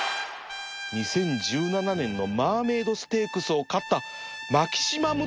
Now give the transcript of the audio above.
２０１７年のマーメイドステークスを勝った